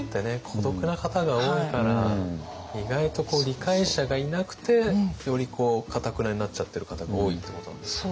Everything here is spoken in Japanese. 孤独な方が多いから意外とこう理解者がいなくてよりかたくなになっちゃってる方が多いってことなんですかね。